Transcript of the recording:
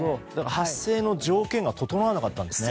発生の条件が整わなかったんですね。